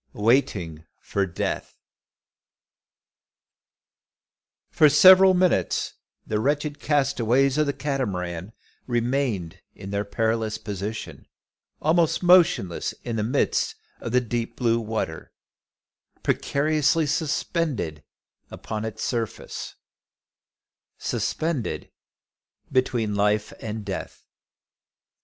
WAITING FOR DEATH. For several minutes the wretched castaways of the Catamaran remained in their perilous position, almost motionless in the midst of the deep blue water, precariously suspended upon its surface, suspended between life and death!